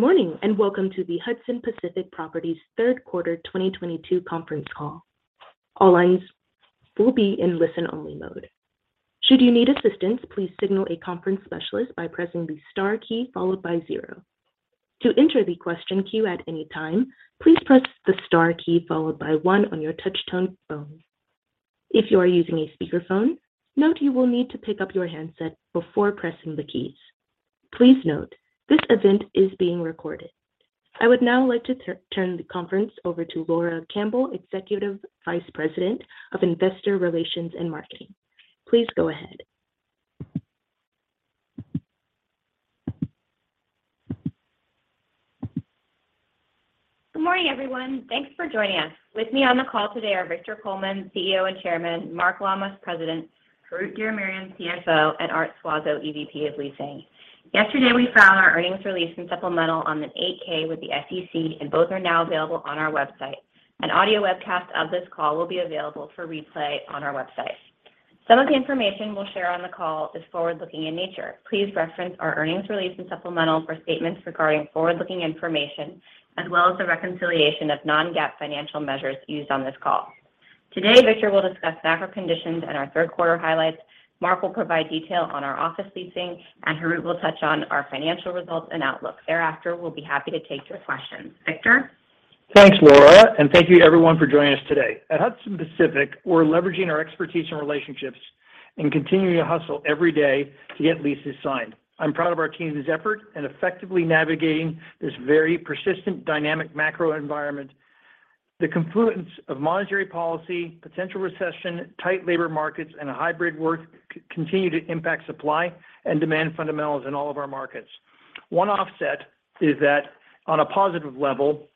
Good morning, and welcome to the Hudson Pacific Properties Third Quarter 2022 Conference Call. All lines will be in listen only mode. Should you need assistance, please signal a conference specialist by pressing the star key followed by zero. To enter the question queue at any time, please press the star key followed by one on your Touch-Tone phone. If you are using a speakerphone, note you will need to pick up your handset before pressing the keys. Please note, this event is being recorded. I would now like to turn the conference over to Laura Campbell, Executive Vice President of Investor Relations and Marketing. Please go ahead. Good morning, everyone. Thanks for joining us. With me on the call today are Victor Coleman, CEO and Chairman, Mark Lammas, President, Harout Diramerian, CFO, and Art Suazo, EVP of Leasing. Yesterday, we filed our earnings release and supplemental on a 8-K with the SEC, and both are now available on our website. An audio webcast of this call will be available for replay on our website. Some of the information we'll share on the call is forward-looking in nature. Please reference our earnings release and supplemental for statements regarding forward-looking information, as well as the reconciliation of non-GAAP financial measures used on this call. Today, Victor will discuss macro conditions and our third quarter highlights. Mark will provide detail on our office leasing, and Harout will touch on our financial results and outlook. Thereafter, we'll be happy to take your questions. Victor? Thanks, Laura, and thank you everyone for joining us today. At Hudson Pacific, we're leveraging our expertise and relationships and continuing to hustle every day to get leases signed. I'm proud of our team's effort in effectively navigating this very persistent dynamic macro environment. The confluence of monetary policy, potential recession, tight labor markets, and a hybrid work continue to impact supply and demand fundamentals in all of our markets. One offset is that on a positive level,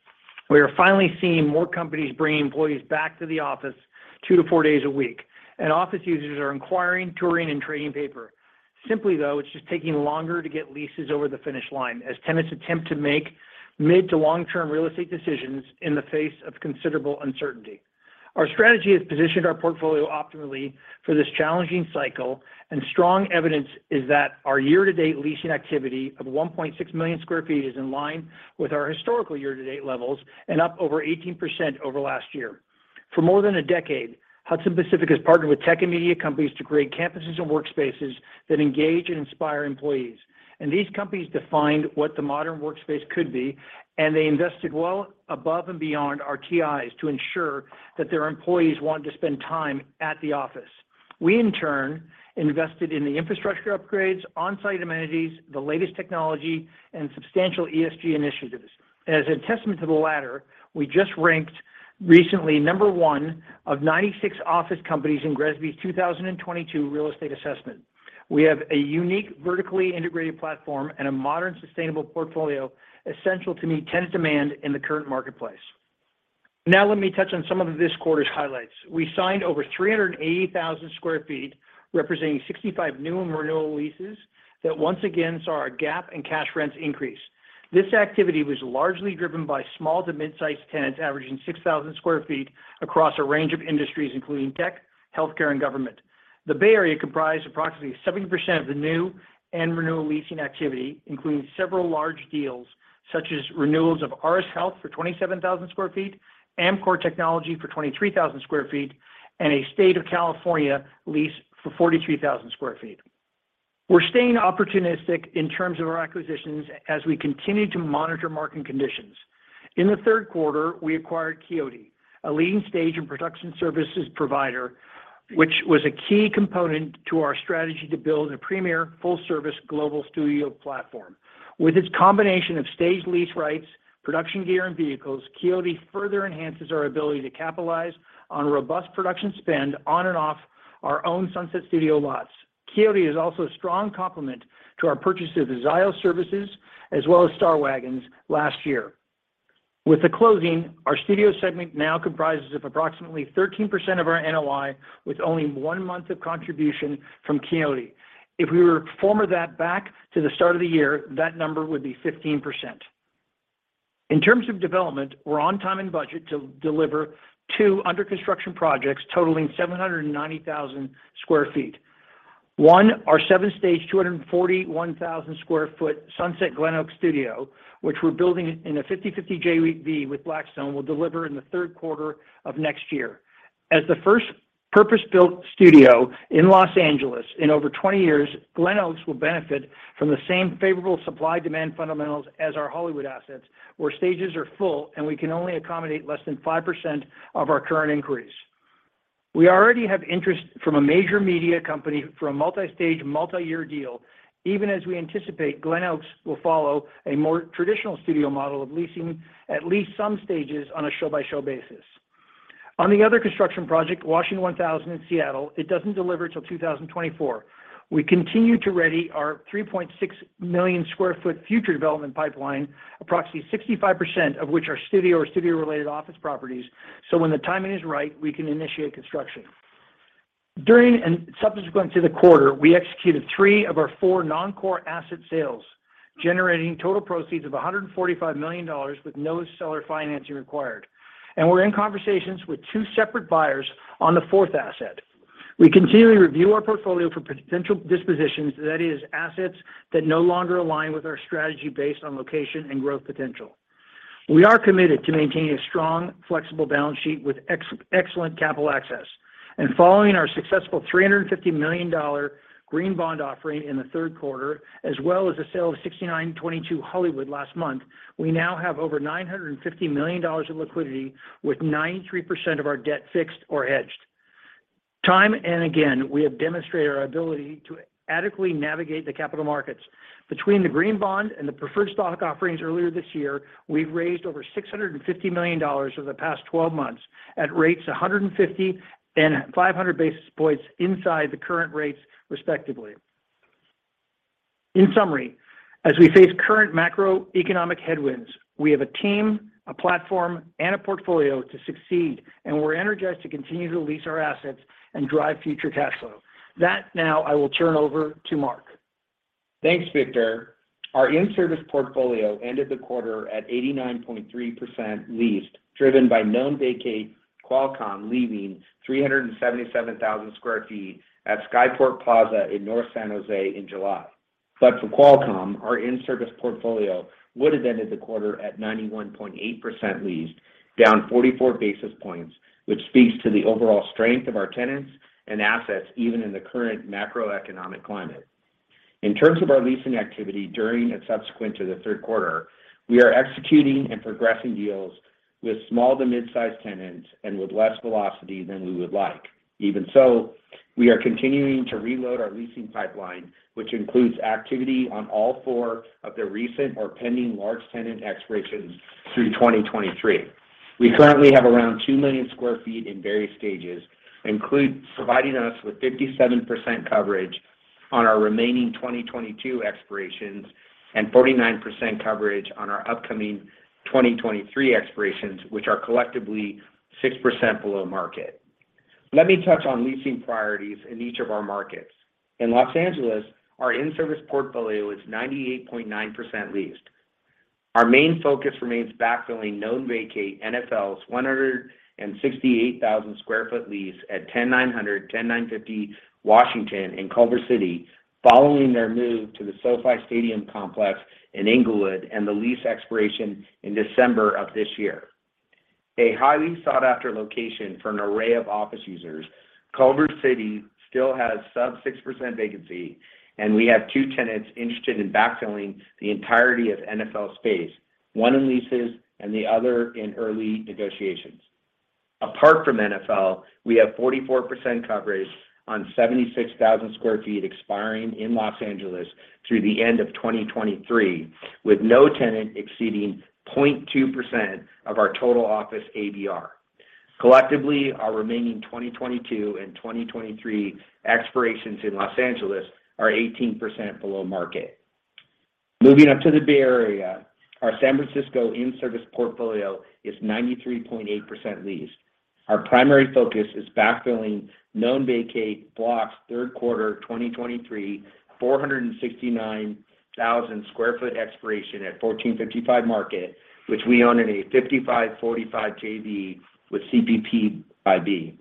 we are finally seeing more companies bringing employees back to the office 2-4 days a week, and office users are inquiring, touring, and trading paper. Simply though, it's just taking longer to get leases over the finish line as tenants attempt to make mid- to long-term real estate decisions in the face of considerable uncertainty. Our strategy has positioned our portfolio optimally for this challenging cycle, and strong evidence is that our year-to-date leasing activity of 1.6 million sq ft is in line with our historical year-to-date levels and up over 18% over last year. For more than a decade, Hudson Pacific has partnered with tech and media companies to create campuses and workspaces that engage and inspire employees. These companies defined what the modern workspace could be, and they invested well above and beyond our TIs to ensure that their employees wanted to spend time at the office. We, in turn, invested in the infrastructure upgrades, on-site amenities, the latest technology, and substantial ESG initiatives. As a testament to the latter, we just ranked recently number one of 96 office companies in GRESB's 2022 real estate assessment. We have a unique vertically integrated platform and a modern, sustainable portfolio essential to meet tenant demand in the current marketplace. Now let me touch on some of this quarter's highlights. We signed over 380,000 sq ft, representing 65 new and renewal leases that once again saw our GAAP and cash rents increase. This activity was largely driven by small to mid-size tenants averaging 6,000 sq ft across a range of industries, including tech, healthcare, and government. The Bay Area comprised approximately 70% of the new and renewal leasing activity, including several large deals such as renewals of RS Health for 27,000 sq ft, Amkor Technology for 23,000 sq ft, and a State of California lease for 43,000 sq ft. We're staying opportunistic in terms of our acquisitions as we continue to monitor market conditions. In the third quarter, we acquired Quixote, a leading stage and production services provider, which was a key component to our strategy to build a premier full-service global studio platform. With its combination of stage lease rights, production gear, and vehicles, Quixote further enhances our ability to capitalize on robust production spend on and off our own Sunset studio lots. Quixote is also a strong complement to our purchase of Zio Studio Services as well as Star Waggons last year. With the closing, our studio segment now comprises of approximately 13% of our NOI, with only one month of contribution from Quixote. If we were to pro forma that back to the start of the year, that number would be 15%. In terms of development, we're on time and budget to deliver 2 under construction projects totaling 790,000 sq ft. 1, our 7-stage, 241,000 sq ft Sunset Glenoaks Studio, which we're building in a 50/50 JV with Blackstone, will deliver in the third quarter of next year. As the first purpose-built studio in Los Angeles in over 20 years, Glenoaks will benefit from the same favorable supply-demand fundamentals as our Hollywood assets, where stages are full, and we can only accommodate less than 5% of our current inquiries. We already have interest from a major media company for a multi-stage, multi-year deal, even as we anticipate Glenoaks will follow a more traditional studio model of leasing at least some stages on a show-by-show basis. On the other construction project, Washington One Thousand in Seattle, it doesn't deliver till 2024. We continue to ready our 3.6 million sq ft future development pipeline, approximately 65% of which are studio or studio related office properties, so when the timing is right, we can initiate construction. During and subsequent to the quarter, we executed 3 of our 4 non-core asset sales, generating total proceeds of $145 million with no seller financing required. We're in conversations with 2 separate buyers on the fourth asset. We continually review our portfolio for potential dispositions, that is assets that no longer align with our strategy based on location and growth potential. We are committed to maintaining a strong, flexible balance sheet with excellent capital access. Following our successful $350 million green bond offering in the third quarter, as well as the sale of 6922 Hollywood last month, we now have over $950 million in liquidity with 93% of our debt fixed or hedged. Time and again, we have demonstrated our ability to adequately navigate the capital markets. Between the green bond and the preferred stock offerings earlier this year, we've raised over $650 million over the past twelve months at rates 150 and 500 basis points inside the current rates, respectively. In summary, as we face current macroeconomic headwinds, we have a team, a platform, and a portfolio to succeed, and we're energized to continue to lease our assets and drive future cash flow. That now I will turn over to Mark. Thanks, Victor. Our in-service portfolio ended the quarter at 89.3% leased, driven by known vacate Qualcomm leaving 377,000 sq ft at Skyport Plaza in North San Jose in July. For Qualcomm, our in-service portfolio would have ended the quarter at 91.8% leased, down 44 basis points, which speaks to the overall strength of our tenants and assets even in the current macroeconomic climate. In terms of our leasing activity during and subsequent to the third quarter, we are executing and progressing deals with small to mid-sized tenants and with less velocity than we would like. Even so, we are continuing to reload our leasing pipeline, which includes activity on all four of the recent or pending large tenant expirations through 2023. We currently have around 2 million sq ft in various stages, including providing us with 57% coverage on our remaining 2022 expirations and 49% coverage on our upcoming 2023 expirations, which are collectively 6% below market. Let me touch on leasing priorities in each of our markets. In Los Angeles, our in-service portfolio is 98.9% leased. Our main focus remains backfilling known vacate NFL's 168,000 sq ft lease at 10,900, 10,950 Washington in Culver City, following their move to the SoFi Stadium complex in Inglewood and the lease expiration in December of this year. A highly sought after location for an array of office users, Culver City still has sub-6% vacancy, and we have two tenants interested in backfilling the entirety of NFL space, one in leases and the other in early negotiations. Apart from NFL, we have 44% coverage on 76,000 sq ft expiring in Los Angeles through the end of 2023, with no tenant exceeding 0.2% of our total office ABR. Collectively, our remaining 2022 and 2023 expirations in Los Angeles are 18% below market. Moving up to the Bay Area, our San Francisco in-service portfolio is 93.8% leased. Our primary focus is backfilling known vacate Block's Q3 2023, 469,000 sq ft expiration at 1455 Market, which we own in a 55-45 JV with CPPIB.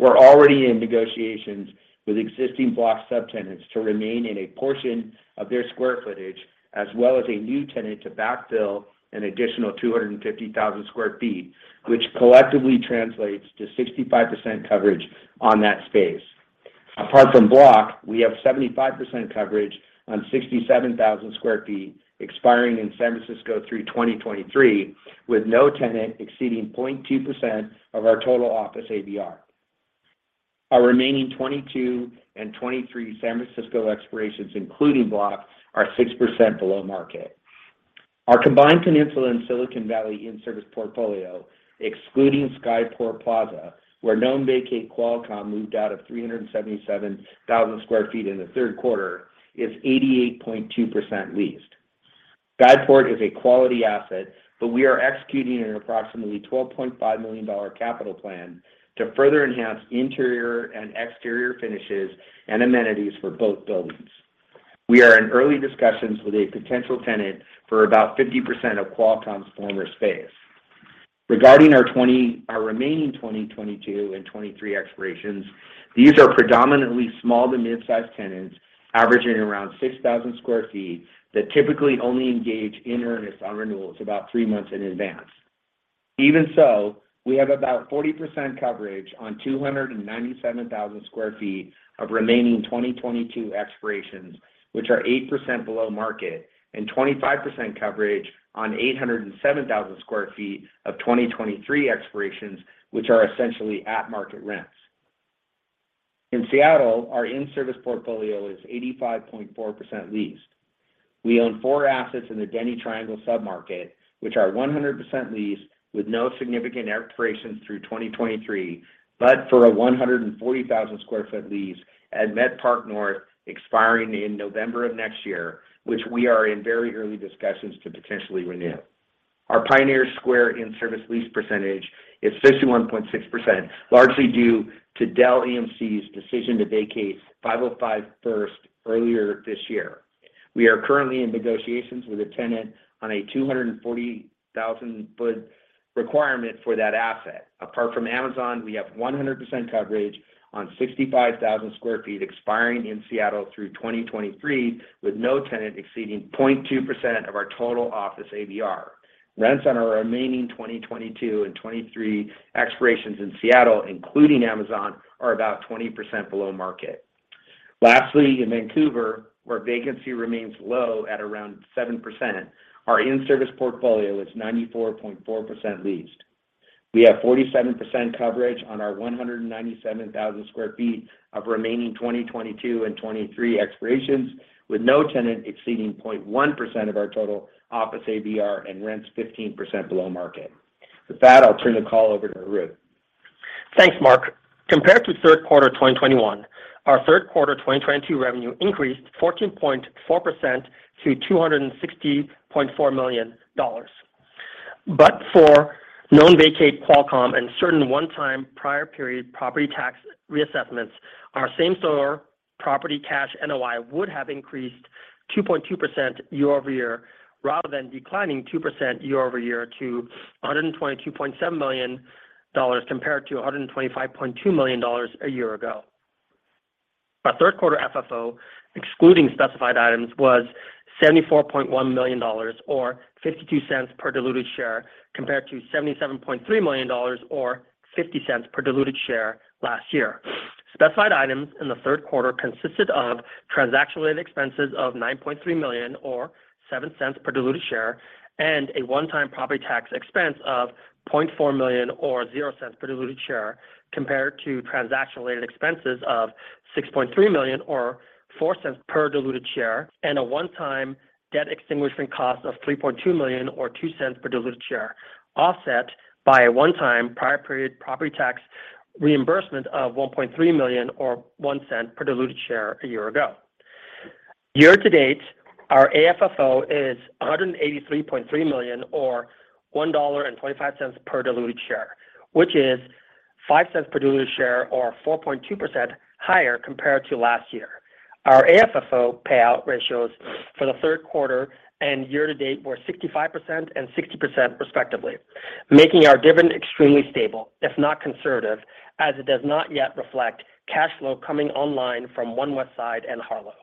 We're already in negotiations with existing Block subtenants to remain in a portion of their square footage, as well as a new tenant to backfill an additional 250,000 sq ft, which collectively translates to 65% coverage on that space. Apart from Block, we have 75% coverage on 67,000 sq ft expiring in San Francisco through 2023, with no tenant exceeding 0.2% of our total office ABR. Our remaining 2022 and 2023 San Francisco expirations, including Block, are 6% below market. Our combined Peninsula and Silicon Valley in-service portfolio, excluding Skyport Plaza, where Qualcomm vacated 377,000 sq ft in the third quarter, is 88.2% leased. Skyport is a quality asset, but we are executing an approximately $12.5 million capital plan to further enhance interior and exterior finishes and amenities for both buildings. We are in early discussions with a potential tenant for about 50% of Qualcomm's former space. Regarding our remaining 2022 and 2023 expirations, these are predominantly small to mid-sized tenants averaging around 6,000 sq ft that typically only engage in earnest on renewals about three months in advance. Even so, we have about 40% coverage on 297,000 sq ft of remaining 2022 expirations, which are 8% below market, and 25% coverage on 807,000 sq ft of 2023 expirations, which are essentially at market rents. In Seattle, our in-service portfolio is 85.4% leased. We own four assets in the Denny Triangle submarket, which are 100% leased with no significant expirations through 2023, but for a 140,000 sq ft lease at Met Park North expiring in November of next year, which we are in very early discussions to potentially renew. Our Pioneer Square in-service lease percentage is 51.6%, largely due to Dell EMC's decision to vacate 505 First earlier this year. We are currently in negotiations with a tenant on a 240,000 sq ft requirement for that asset. Apart from Amazon, we have 100% coverage on 65,000 sq ft expiring in Seattle through 2023, with no tenant exceeding 0.2% of our total office ABR. Rents on our remaining 2022 and 2023 expirations in Seattle, including Amazon, are about 20% below market. Lastly, in Vancouver, where vacancy remains low at around 7%, our in-service portfolio is 94.4% leased. We have 47% coverage on our 197,000 sq ft of remaining 2022 and 2023 expirations, with no tenant exceeding 0.1% of our total office ABR and rents 15% below market. With that, I'll turn the call over to Harout Diramerian. Thanks, Mark. Compared to third quarter 2021, our third quarter 2022 revenue increased 14.4% to $260.4 million. For known vacancy Qualcomm and certain one-time prior period property tax reassessments, our same store property cash NOI would have increased 2.2% year-over-year rather than declining 2% year-over-year to $122.7 million compared to $125.2 million a year ago. Our third quarter FFO, excluding specified items, was $74.1 million or $0.52 per diluted share, compared to $77.3 million or $0.50 per diluted share last year. Specified items in the third quarter consisted of transaction related expenses of $9.3 million or $0.07 per diluted share, and a one-time property tax expense of $0.4 million or 0 cents per diluted share, compared to transaction related expenses of $6.3 million or $0.04 per diluted share, and a one-time debt extinguishment cost of $3.2 million or $0.02 per diluted share, offset by a one-time prior period property tax reimbursement of $1.3 million or $0.01 per diluted share a year ago. Year to date, our AFFO is $183.3 million or $1.25 per diluted share, which is $0.05 per diluted share or 4.2% higher compared to last year. Our AFFO payout ratios for the third quarter and year to date were 65% and 60% respectively, making our dividend extremely stable, if not conservative, as it does not yet reflect cash flow coming online from One Westside and Harlow.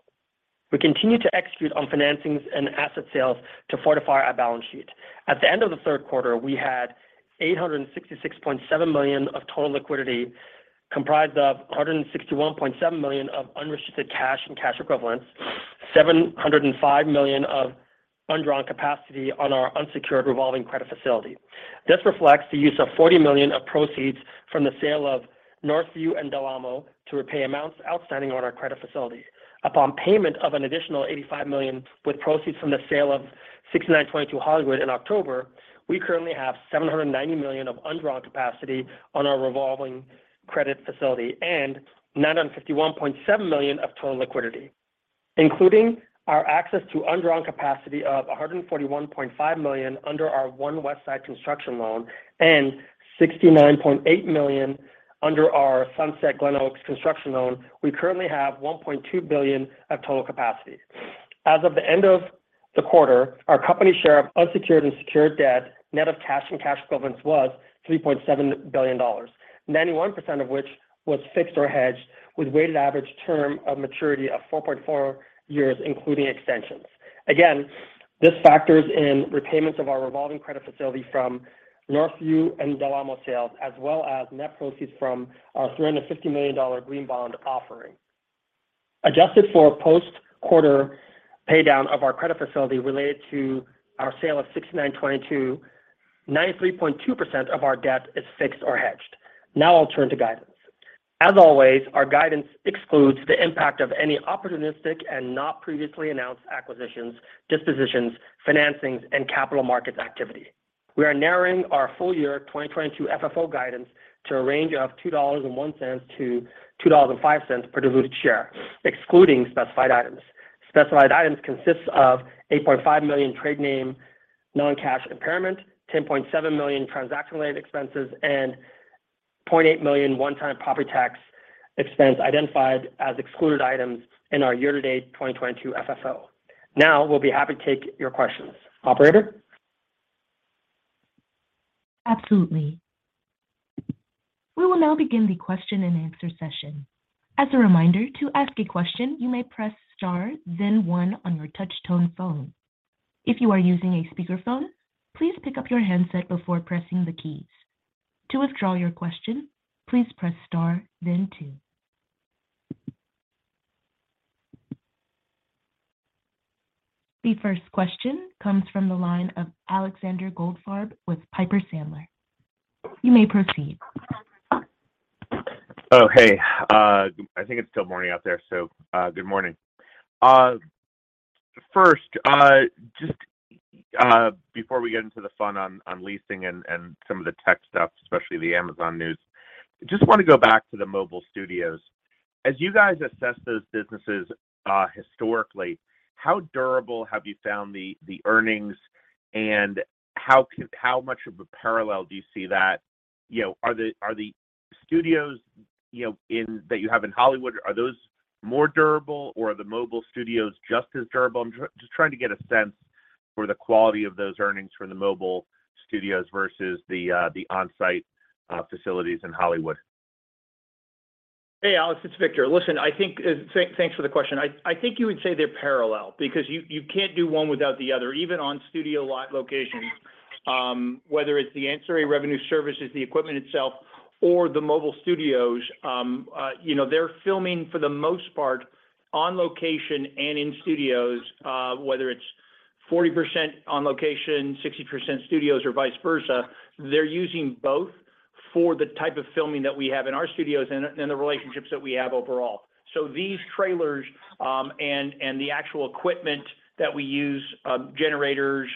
We continue to execute on financings and asset sales to fortify our balance sheet. At the end of the third quarter, we had $866.7 million of total liquidity, comprised of $161.7 million of unrestricted cash and cash equivalents, $705 million of undrawn capacity on our unsecured revolving credit facility. This reflects the use of $40 million of proceeds from the sale of Northview and Del Amo to repay amounts outstanding on our credit facility. Upon payment of an additional $85 million with proceeds from the sale of 6922 Hollywood in October, we currently have $790 million of undrawn capacity on our revolving credit facility and $951.7 million of total liquidity, including our access to undrawn capacity of $141.5 million under our One Westside construction loan and $69.8 million under our Sunset Glenoaks construction loan. We currently have $1.2 billion of total capacity. As of the end of the quarter, our company share of unsecured and secured debt, net of cash and cash equivalents, was $3.7 billion, 91% of which was fixed or hedged, with weighted average term of maturity of 4.4 years, including extensions. Again, this factors in repayments of our revolving credit facility from Northview and Del Amo sales, as well as net proceeds from our $350 million green bond offering. Adjusted for post-quarter pay down of our credit facility related to our sale of 6922, 93.2% of our debt is fixed or hedged. Now I'll turn to guidance. As always, our guidance excludes the impact of any opportunistic and not previously announced acquisitions, dispositions, financings, and capital markets activity. We are narrowing our full-year 2022 FFO guidance to a range of $2.01-$2.05 per diluted share, excluding specified items. Specified items consists of $8.5 million trade name non-cash impairment, $10.7 million transaction related expenses, and $0.8 million one-time property tax expense identified as excluded items in our year-to-date 2022 FFO. Now we'll be happy to take your questions. Operator? Absolutely. We will now begin the question and answer session. As a reminder, to ask a question, you may press star then one on your touch tone phone. If you are using a speakerphone, please pick up your handset before pressing the keys. To withdraw your question, please press star then two. The first question comes from the line of Alexander Goldfarb with Piper Sandler. You may proceed. Oh, hey. I think it's still morning out there, so good morning. First, just before we get into the fun on leasing and some of the tech stuff, especially the Amazon news, just want to go back to the mobile studios. As you guys assess those businesses, historically, how durable have you found the earnings, and how much of a parallel do you see that, you know, are the Studios, you know, in that you have in Hollywood, are those more durable, or are the mobile studios just as durable? I'm just trying to get a sense for the quality of those earnings from the mobile studios versus the on-site facilities in Hollywood. Hey, Alex, it's Victor. Listen, I think thanks for the question. I think you would say they're parallel because you can't do one without the other. Even on studio lot locations, whether it's the ancillary revenue services, the equipment itself, or the mobile studios, you know, they're filming for the most part on location and in studios, whether it's 40% on location, 60% studios, or vice versa, they're using both for the type of filming that we have in our studios and the relationships that we have overall. These trailers and the actual equipment that we use, generators,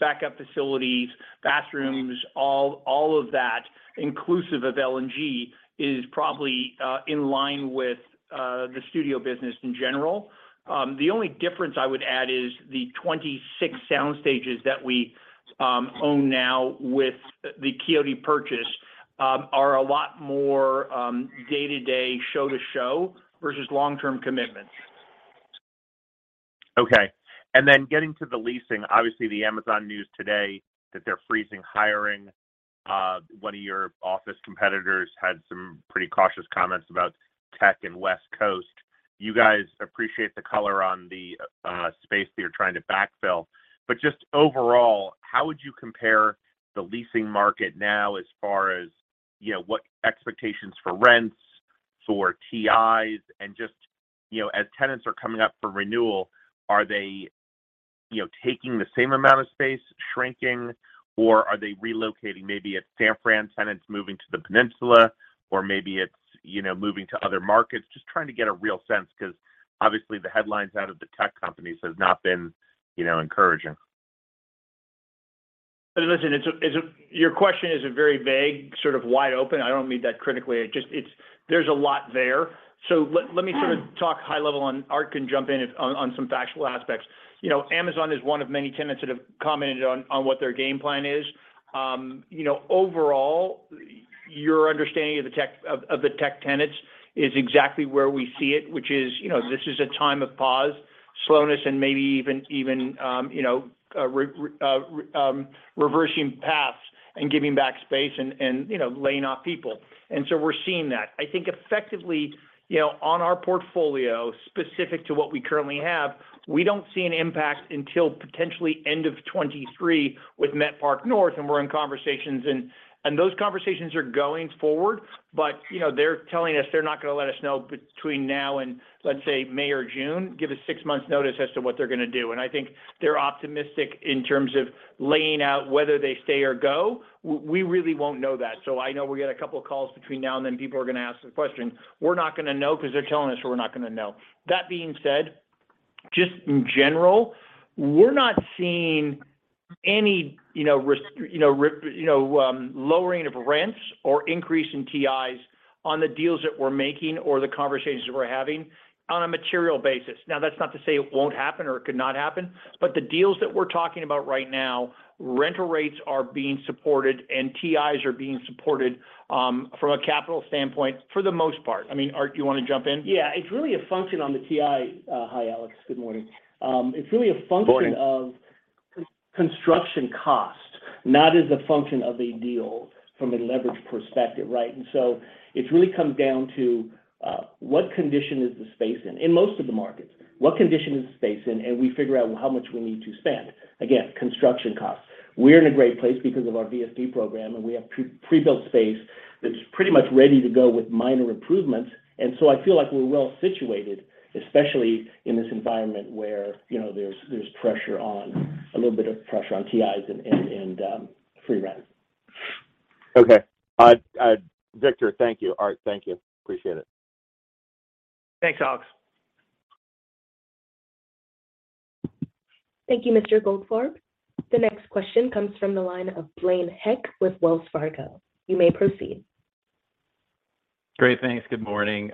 backup facilities, bathrooms, all of that, inclusive of L&G, is probably in line with the studio business in general. The only difference I would add is the 26 sound stages that we own now with the Quixote purchase are a lot more day-to-day show-to-show versus long-term commitments. Okay. Getting to the leasing, obviously the Amazon news today that they're freezing hiring. One of your office competitors had some pretty cautious comments about tech and West Coast. You guys appreciate the color on the space that you're trying to backfill. Just overall, how would you compare the leasing market now as far as, you know, what expectations for rents, for TIs, and just, you know, as tenants are coming up for renewal, are they, you know, taking the same amount of space, shrinking, or are they relocating? Maybe a San Fran tenant's moving to the Peninsula, or maybe it's, you know, moving to other markets. Just trying to get a real sense because obviously the headlines out of the tech companies has not been, you know, encouraging. Listen, your question is a very vague, sort of wide open. I don't mean that critically. It just, there's a lot there. Let me sort of talk high level on. Art can jump in if on some factual aspects. You know, Amazon is one of many tenants that have commented on what their game plan is. You know, overall, your understanding of the tech tenants is exactly where we see it, which is, you know, this is a time of pause, slowness, and maybe even you know, reversing paths and giving back space and you know, laying off people. We're seeing that. I think effectively, you know, on our portfolio, specific to what we currently have, we don't see an impact until potentially end of 2023 with Met Park North, and we're in conversations. Those conversations are going forward, but, you know, they're telling us they're not gonna let us know between now and, let's say, May or June, give us six months notice as to what they're gonna do. I think they're optimistic in terms of laying out whether they stay or go. We really won't know that. I know we got a couple of calls between now and then. People are gonna ask the question. We're not gonna know because they're telling us we're not gonna know. That being said, just in general, we're not seeing any, you know, lowering of rents or increase in TIs on the deals that we're making or the conversations that we're having on a material basis. Now, that's not to say it won't happen or it could not happen, but the deals that we're talking about right now, rental rates are being supported and TIs are being supported from a capital standpoint for the most part. I mean, Arthur, do you want to jump in? Yeah. It's really a function on the TI. Hi, Alex. Good morning. It's really a function Morning of construction cost, not as a function of a deal from a leverage perspective, right? It really comes down to what condition is the space in most of the markets. What condition is the space in? We figure out how much we need to spend. Again, construction costs. We're in a great place because of our VSP program, and we have pre-built space that's pretty much ready to go with minor improvements. I feel like we're well situated, especially in this environment where, you know, there's a little bit of pressure on TIs and free rent. Okay. Victor, thank you. Arthur, thank you. Appreciate it. Thanks, Alex. Thank you, Mr. Goldfarb. The next question comes from the line of Blaine Heck with Wells Fargo. You may proceed. Great. Thanks. Good morning.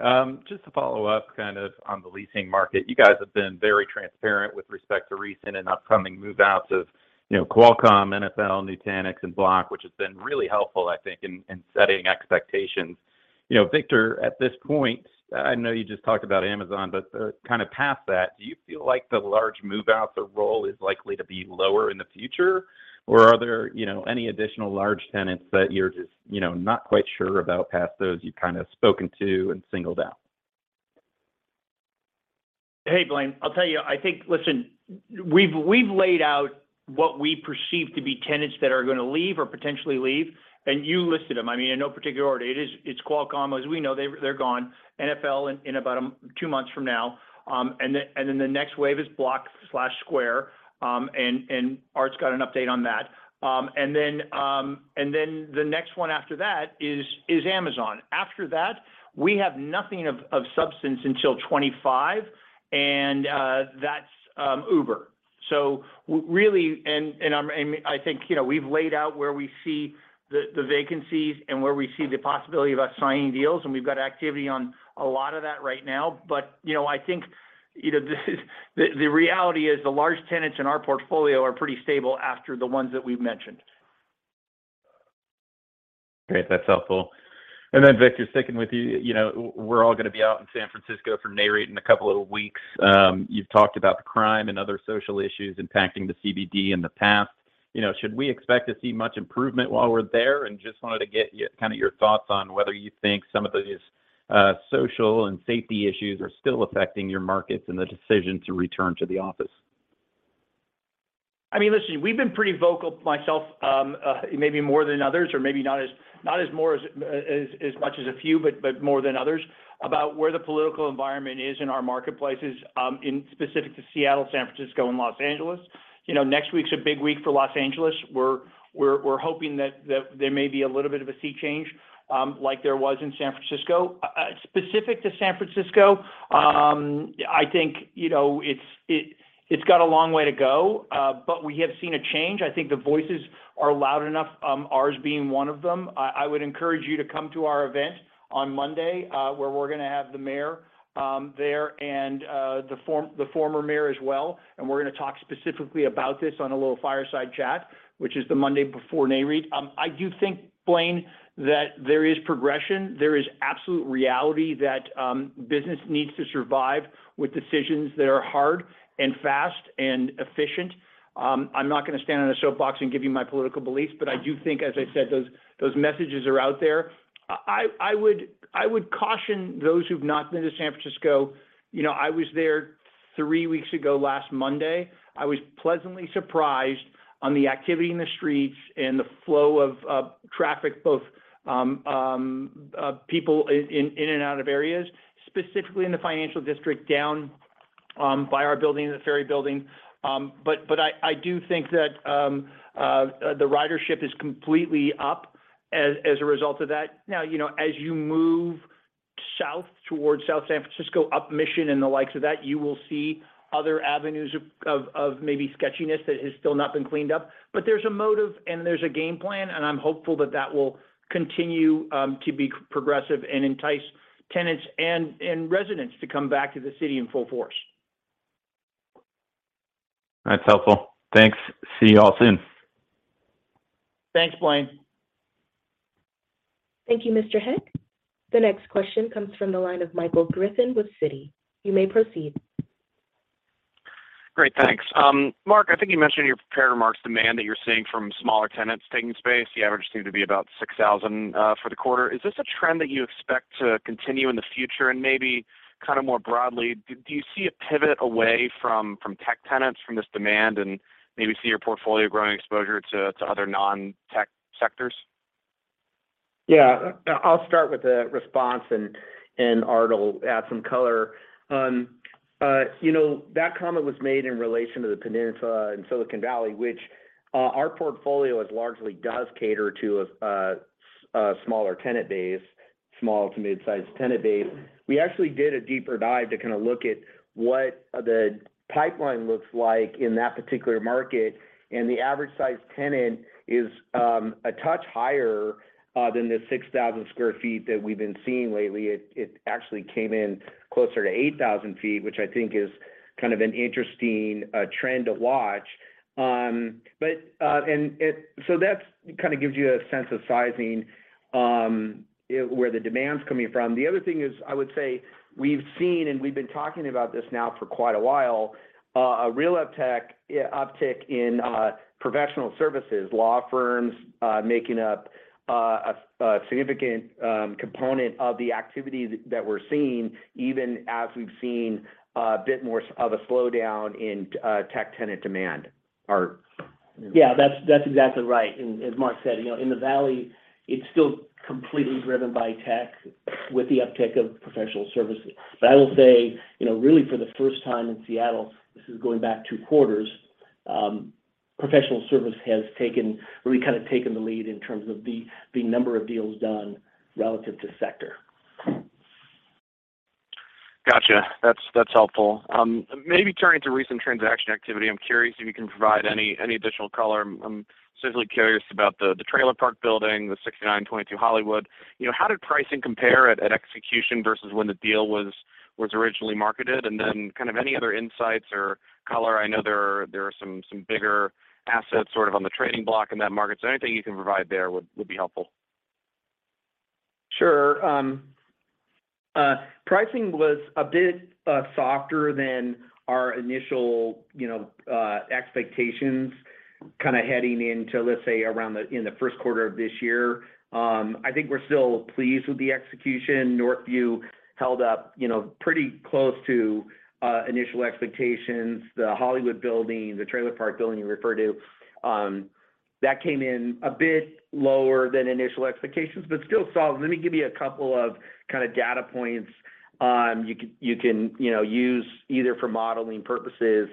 Just to follow up kind of on the leasing market. You guys have been very transparent with respect to recent and upcoming move-outs of, you know, Qualcomm, NFL, Nutanix, and Block, which has been really helpful, I think, in setting expectations. You know, Victor, at this point, I know you just talked about Amazon, but kind of past that, do you feel like the large move-outs or roll is likely to be lower in the future? Or are there, you know, any additional large tenants that you're just, you know, not quite sure about past those you've kind of spoken to and singled out? Hey, Blaine. I'll tell you, I think. Listen, we've laid out what we perceive to be tenants that are gonna leave or potentially leave, and you listed them. I mean, in no particular order. It is. It's Qualcomm, as we know, they're gone. NFL in about two months from now. The next wave is Block/Square. Art's got an update on that. The next one after that is Amazon. After that, we have nothing of substance until 2025, and that's Uber. Really, I mean, I think, you know, we've laid out where we see the vacancies and where we see the possibility of us signing deals, and we've got activity on a lot of that right now. You know, I think, you know, the reality is the large tenants in our portfolio are pretty stable after the ones that we've mentioned. Great. That's helpful. Victor, sticking with you. You know, we're all gonna be out in San Francisco for Nareit in a couple of weeks. You've talked about the crime and other social issues impacting the CBD in the past. You know, should we expect to see much improvement while we're there? Just wanted to get kind of your thoughts on whether you think some of these social and safety issues are still affecting your markets and the decision to return to the office. I mean, listen, we've been pretty vocal, myself, maybe more than others or maybe not as much as a few, but more than others, about where the political environment is in our marketplaces, specifically to Seattle, San Francisco and Los Angeles. You know, next week's a big week for Los Angeles. We're hoping that there may be a little bit of a sea change, like there was in San Francisco. Specific to San Francisco, I think, you know, it's got a long way to go, but we have seen a change. I think the voices are loud enough, ours being one of them. I would encourage you to come to our event on Monday, where we're gonna have the mayor there and the former mayor as well, and we're gonna talk specifically about this on a little fireside chat, which is the Monday before Nareit. I do think, Blaine, that there is progression. There is absolute reality that business needs to survive with decisions that are hard and fast and efficient. I'm not gonna stand on a soapbox and give you my political beliefs, but I do think, as I said, those messages are out there. I would caution those who've not been to San Francisco. You know, I was there three weeks ago last Monday. I was pleasantly surprised on the activity in the streets and the flow of traffic both people in and out of areas, specifically in the financial district down by our building, the Ferry Building. I do think that the ridership is completely up as a result of that. Now, you know, as you move south towards South San Francisco, up Mission and the likes of that, you will see other avenues of maybe sketchiness that has still not been cleaned up. There's a motive and there's a game plan, and I'm hopeful that that will continue to be progressive and entice tenants and residents to come back to the city in full force. That's helpful. Thanks. See you all soon. Thanks, Blaine. Thank you, Mr. Heck. The next question comes from the line of Michael Griffin with Citi. You may proceed. Great, thanks. Mark, I think you mentioned in your prepared remarks demand that you're seeing from smaller tenants taking space. The average seemed to be about 6,000 for the quarter. Is this a trend that you expect to continue in the future? Maybe kind of more broadly, do you see a pivot away from tech tenants from this demand and maybe see your portfolio growing exposure to other non-tech sectors? Yeah. I'll start with the response and Arthur add some color. You know, that comment was made in relation to the peninsula in Silicon Valley, which our portfolio largely does cater to a smaller tenant base, small to mid-sized tenant base. We actually did a deeper dive to kind of look at what the pipeline looks like in that particular market, and the average size tenant is a touch higher than the 6,000 sq ft that we've been seeing lately. It actually came in closer to 8,000 sq ft, which I think is kind of an interesting trend to watch. That's kind of gives you a sense of sizing where the demand's coming from. The other thing is, I would say we've seen, and we've been talking about this now for quite a while, a real uptick in professional services, law firms making up a significant component of the activity that we're seeing, even as we've seen a bit more of a slowdown in tech tenant demand. Arthur? Yeah. That's exactly right. As Mark said, you know, in the Valley, it's still completely driven by tech with the uptick of professional services. I will say, you know, really for the first time in Seattle, this is going back two quarters, professional service has taken, really kind of taken the lead in terms of the number of deals done relative to sector. Gotcha. That's helpful. Maybe turning to recent transaction activity, I'm curious if you can provide any additional color. I'm specifically curious about the Trailer Park building, the 6922 Hollywood. You know, how did pricing compare at execution versus when the deal was originally marketed? Then kind of any other insights or color. I know there are some bigger assets sort of on the trading block in that market. Anything you can provide there would be helpful. Sure. Pricing was a bit softer than our initial, you know, expectations kinda heading into, let's say, around the, in the first quarter of this year. I think we're still pleased with the execution. Northview held up, you know, pretty close to initial expectations. The Hollywood building, the Trailer Park building you referred to, that came in a bit lower than initial expectations, but still solid. Let me give you a couple of kind of data points, you can, you know, use either for modeling purposes,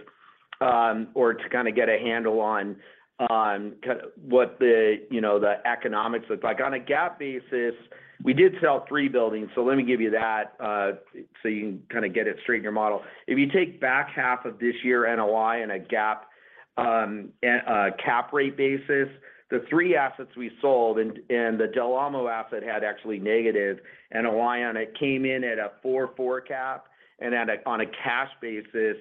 or to kind of get a handle on what the, you know, the economics look like. On a GAAP basis, we did sell 3 buildings. Let me give you that, so you can kind of get it straight in your model. If you take back half of this year NOI on a GAAP cap rate basis, the three assets we sold, and the Del Amo asset had actually negative NOI on it, came in at a 4.4 cap, and on a cash basis,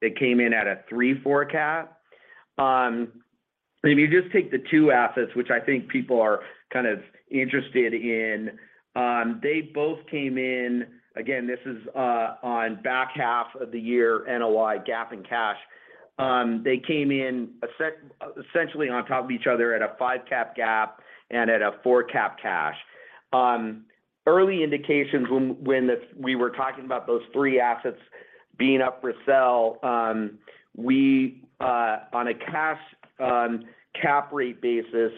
it came in at a 3.4 cap. If you just take the two assets, which I think people are kind of interested in, they both came in. Again, this is on back half of the year, NOI, GAAP, and cash. They came in essentially on top of each other at a 5 cap GAAP and at a 4 cap cash. Early indications when we were talking about those three assets being up for sale, on a cash cap rate basis,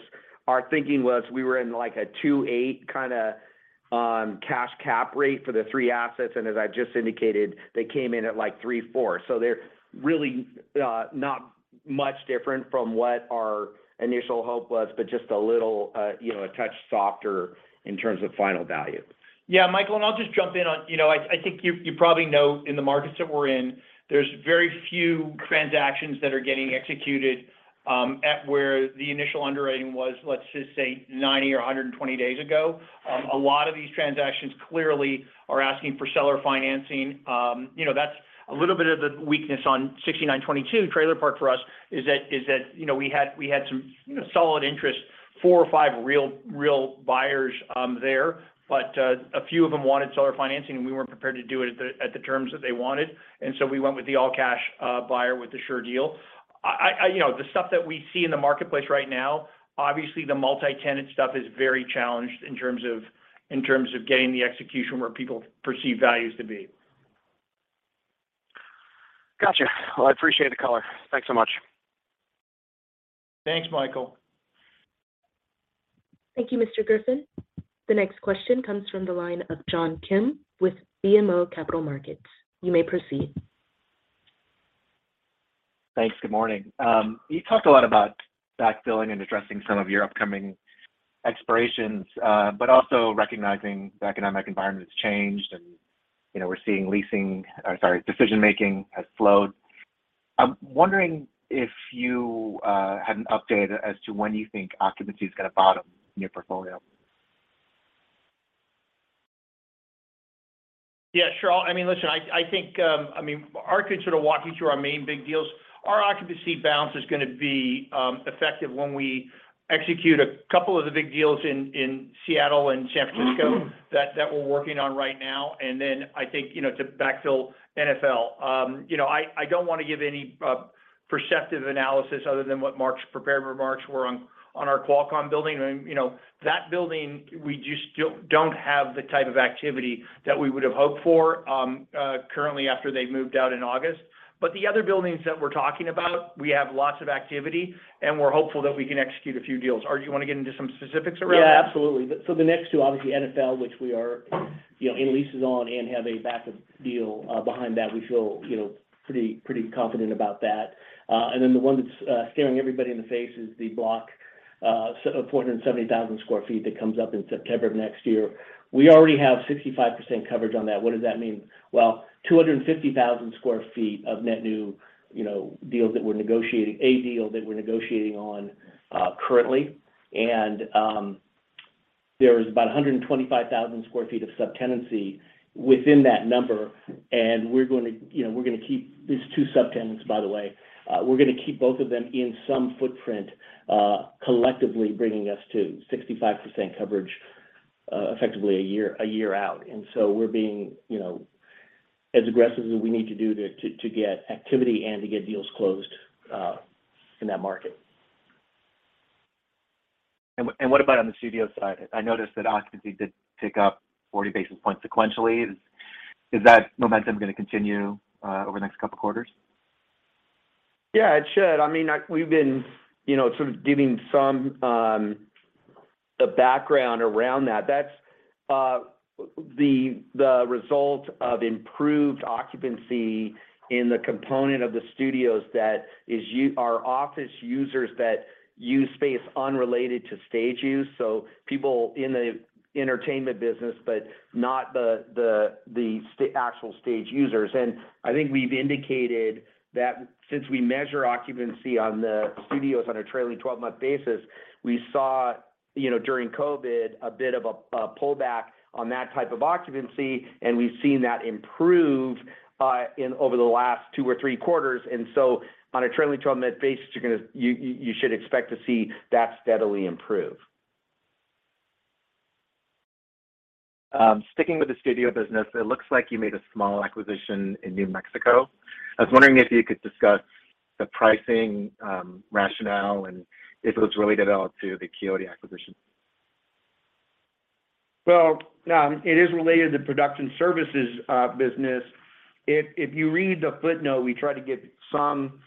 our thinking was we were in like a 2.8 kinda cash cap rate for the three assets, and as I've just indicated, they came in at, like, 3.4%. They're really not much different from what our initial hope was, but just a little, you know, a touch softer in terms of final value. Yeah, Michael, I'll just jump in on. You know, I think you probably know in the markets that we're in, there's very few transactions that are getting executed at where the initial underwriting was, let's just say, 90 or 120 days ago. A lot of these transactions clearly are asking for seller financing. You know, that's a little bit of the weakness on 6922 Trailer Park for us, is that you know we had some you know solid interest, four or five real buyers there. A few of them wanted seller financing, and we weren't prepared to do it at the terms that they wanted, and so we went with the all-cash buyer with the sure deal. I... You know, the stuff that we see in the marketplace right now, obviously the multi-tenant stuff is very challenged in terms of getting the execution where people perceive values to be. Gotcha. Well, I appreciate the color. Thanks so much. Thanks, Michael. Thank you, Mr. Griffin. The next question comes from the line of John Kim with BMO Capital Markets. You may proceed. Thanks. Good morning. You talked a lot about backfilling and addressing some of your upcoming expirations, but also recognizing the economic environment has changed and, you know, we're seeing decision-making has slowed. I'm wondering if you had an update as to when you think occupancy is gonna bottom in your portfolio. Yeah, sure. I mean, listen, I think, I mean, Arthur could sort of walk you through our main big deals. Our occupancy bounce is gonna be effective when we execute a couple of the big deals in Seattle and San Francisco that we're working on right now. Then I think, you know, to backfill NFL. You know, I don't wanna give any perceptive analysis other than what Mark's prepared remarks were on our Qualcomm building. You know, that building, we just don't have the type of activity that we would have hoped for currently after they've moved out in August. The other buildings that we're talking about, we have lots of activity, and we're hopeful that we can execute a few deals. Arthur, do you wanna get into some specifics around that? Yeah, absolutely. The next two, obviously, NFL, which we are, you know, in leases on and have a backup deal behind that. We feel, you know, pretty confident about that. The one that's staring everybody in the face is the Block space of 47,000 sq ft that comes up in September of next year. We already have 65% coverage on that. What does that mean? Well, 250,000 sq ft of net new, you know, deals that we're negotiating, a deal that we're negotiating on currently. There is about 125,000 sq ft of subtenancy within that number, and we're gonna, you know, we're gonna keep these two subtenants, by the way. We're gonna keep both of them in some footprint, collectively bringing us to 65% coverage, effectively a year out. We're being, you know, as aggressive as we need to do to get activity and to get deals closed in that market. What about on the studio side? I noticed that occupancy did tick up 40 basis points sequentially. Is that momentum gonna continue over the next couple quarters? Yeah, it should. I mean, we've been, you know, sort of giving some of the background around that. That's the result of improved occupancy in the component of the studios that is our office users that use space unrelated to stage use. People in the entertainment business, but not the actual stage users. I think we've indicated that since we measure occupancy on the studios on a trailing twelve-month basis, we saw, you know, during COVID a bit of a pullback on that type of occupancy, and we've seen that improve over the last two or three quarters. On a trailing twelve-month basis, you should expect to see that steadily improve. Sticking with the studio business, it looks like you made a small acquisition in New Mexico. I was wondering if you could discuss the pricing, rationale and if it was related at all to the Quixote acquisition. Well, it is related to production services business. If you read the footnote, we try to give some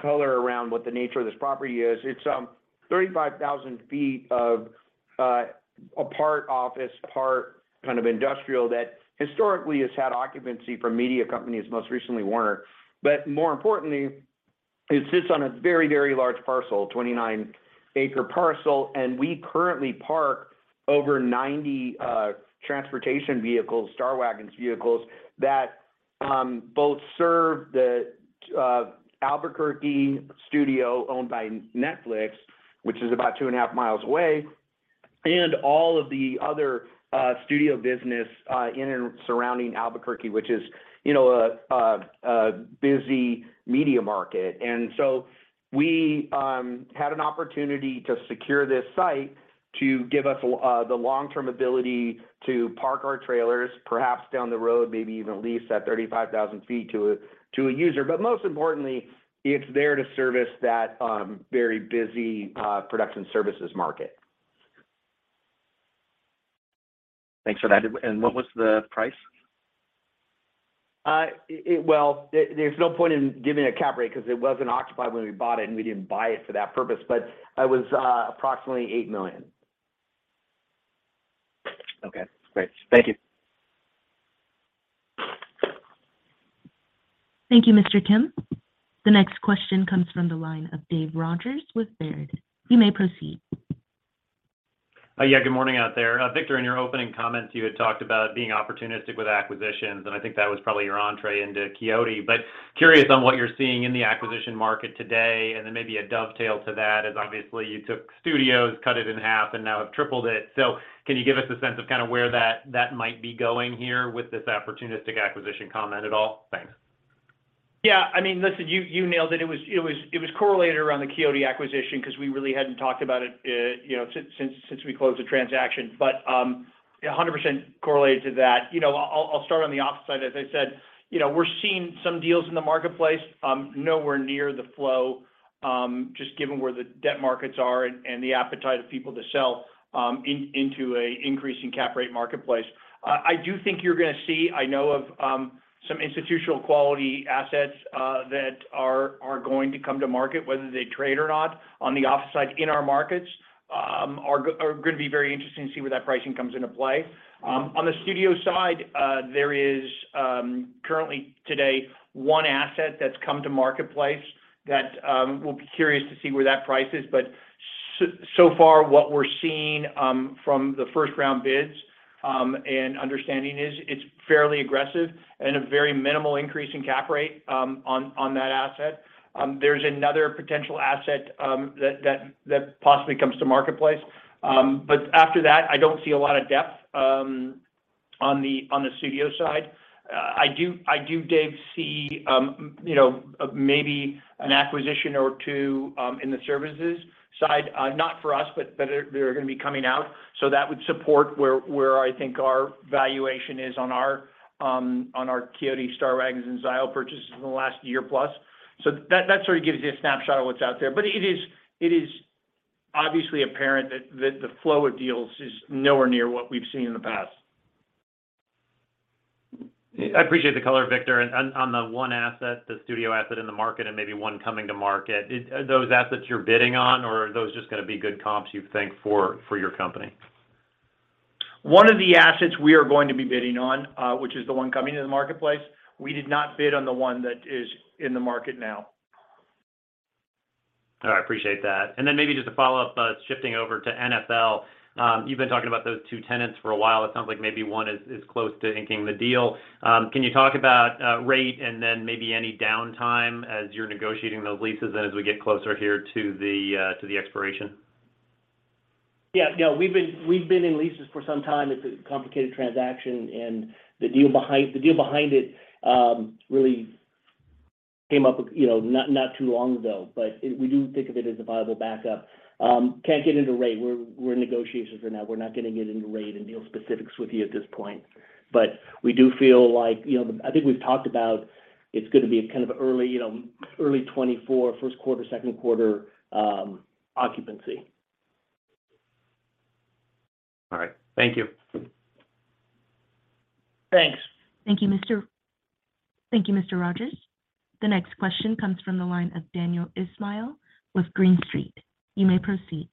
color around what the nature of this property is. It's 35,000 sq ft of a part office, part kind of industrial that historically has had occupancy from media companies, most recently Warner. More importantly, it sits on a very, very large parcel, 29-acre parcel, and we currently park over 90 transportation vehicles, Star Waggons vehicles, that both serve the Albuquerque studio owned by Netflix, which is about 2.5 miles away. All of the other studio business in and surrounding Albuquerque, which is, you know, a busy media market. We had an opportunity to secure this site to give us the long-term ability to park our trailers, perhaps down the road, maybe even lease that 35,000 sq ft to a user. Most importantly, it's there to service that very busy production services market. Thanks for that. What was the price? Well, there's no point in giving a cap rate because it wasn't occupied when we bought it, and we didn't buy it for that purpose, but it was approximately $8 million. Okay, great. Thank you. Thank you, Mr. Kim. The next question comes from the line of David Rodgers with Baird. You may proceed. Yeah, good morning out there. Victor, in your opening comments, you had talked about being opportunistic with acquisitions, and I think that was probably your entry into Quixote. Curious on what you're seeing in the acquisition market today, and then maybe a dovetail to that is obviously you took studios, cut it in half, and now have tripled it. Can you give us a sense of kind of where that might be going here with this opportunistic acquisition comment at all? Thanks. Yeah. I mean, listen, you nailed it. It was correlated around the Quixote acquisition because we really hadn't talked about it, you know, since we closed the transaction. Yeah, 100% correlated to that. You know, I'll start on the office side. As I said, you know, we're seeing some deals in the marketplace, nowhere near the flow, just given where the debt markets are and the appetite of people to sell into an increasing cap rate marketplace. I do think you're gonna see. I know of some institutional quality assets that are going to come to market, whether they trade or not on the office side in our markets are gonna be very interesting to see where that pricing comes into play. On the studio side, there is currently one asset that's come to market that we'll be curious to see where that price is. So far what we're seeing from the first-round bids and understanding is it's fairly aggressive and a very minimal increase in cap rate on that asset. There's another potential asset that possibly comes to market. After that, I don't see a lot of depth on the studio side. I do, Dave, see, you know, maybe an acquisition or two in the services side, not for us, but they are gonna be coming out. That would support where I think our valuation is on our Quixote, Star Waggons, and Zio purchases in the last year plus. That sort of gives you a snapshot of what's out there. It is obviously apparent that the flow of deals is nowhere near what we've seen in the past. I appreciate the color, Victor. On the one asset, the studio asset in the market and maybe one coming to market, are those assets you're bidding on or are those just gonna be good comps, you think, for your company? One of the assets we are going to be bidding on, which is the one coming into the marketplace. We did not bid on the one that is in the market now. All right. I appreciate that. Maybe just a follow-up, shifting over to NFL. You've been talking about those two tenants for a while. It sounds like maybe one is close to inking the deal. Can you talk about rate and then maybe any downtime as you're negotiating those leases and as we get closer here to the expiration? Yeah. You know, we've been in leases for some time. It's a complicated transaction, and the deal behind it really came up, you know, not too long ago. We do think of it as a viable backup. Can't get into rate. We're in negotiations right now. We're not gonna get into rate and deal specifics with you at this point. We do feel like, you know, I think we've talked about it's gonna be a kind of early, you know, early 2024, first quarter, second quarter, occupancy. All right. Thank you. Thanks. Thank you, Mr. Rodgers. The next question comes from the line of Daniel Ismail with Green Street. You may proceed.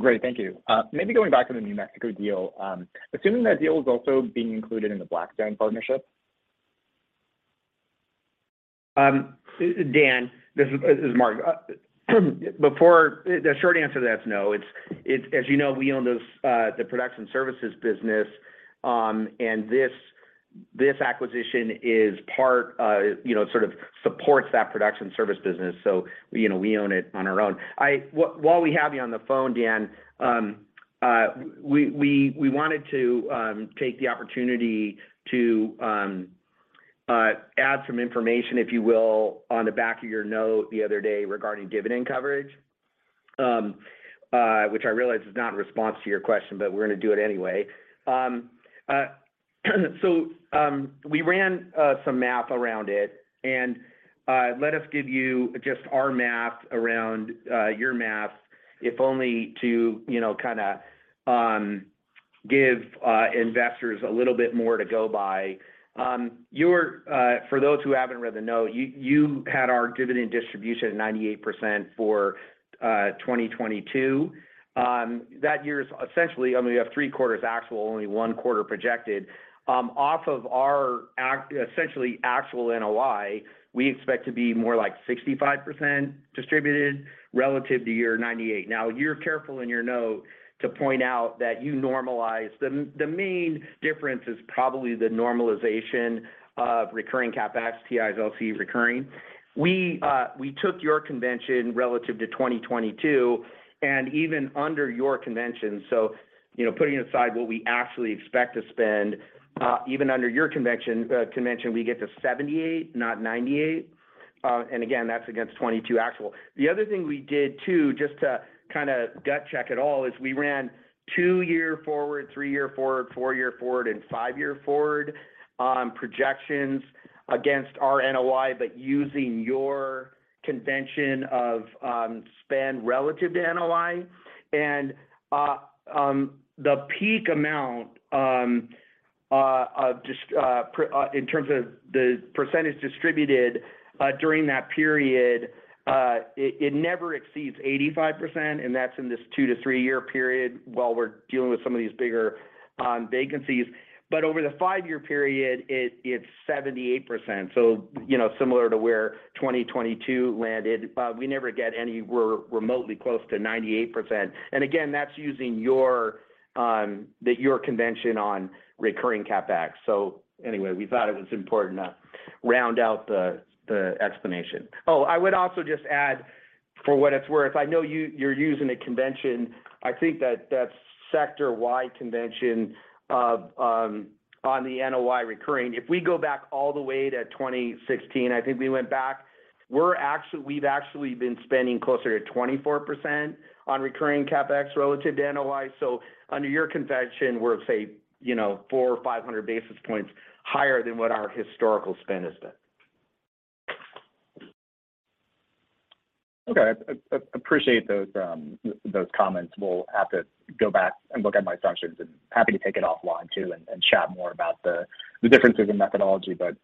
Great. Thank you. Maybe going back to the New Mexico deal. Assuming that deal is also being included in the Blackstone partnership. Dan, this is Mark. The short answer to that is no. It's as you know, we own those, the production services business, and this acquisition is part, you know, it sort of supports that production service business, so, you know, we own it on our own. While we have you on the phone, Dan, we wanted to take the opportunity to add some information, if you will, on the back of your note the other day regarding dividend coverage, which I realize is not in response to your question, but we're gonna do it anyway. We ran some math around it, and let us give you just our math around your math, if only to, you know, kinda give investors a little bit more to go by. Your, for those who haven't read the note, you had our dividend distribution 98% for 2022. That year is essentially, I mean, we have three quarters actual, only one quarter projected. Off of our essentially actual NOI, we expect to be more like 65% distributed relative to your 98%. Now, you're careful in your note to point out that you normalize. The main difference is probably the normalization of recurring CapEx, TI, LC recurring. We took your convention relative to 2022, and even under your convention, so, you know, putting aside what we actually expect to spend, even under your convention, we get to 78, not 98. Again, that's against 2022 actual. The other thing we did too, just to kind of gut check it all, is we ran 2-year forward, 3-year forward, 4-year forward, and 5-year forward projections against our NOI, but using your convention of spend relative to NOI. The peak amount, just in terms of the percentage distributed during that period, it never exceeds 85%, and that's in this 2- to 3-year period while we're dealing with some of these bigger vacancies. Over the five-year period, it's 78%, so, you know, similar to where 2022 landed. We never get anywhere remotely close to 98%. Again, that's using your convention on recurring CapEx. Anyway, we thought it was important to round out the explanation. I would also just add, for what it's worth, I know you're using a convention. I think that's sector-wide convention on recurring NOI. If we go back all the way to 2016, I think we went back. We've actually been spending closer to 24% on recurring CapEx relative to NOI. Under your convention, we're, say, you know, 400 or 500 basis points higher than what our historical spend has been. Okay. Appreciate those comments. We'll have to go back and look at my assumptions. Happy to take it offline too and chat more about the differences in methodology, but